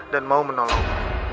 dan mau menolong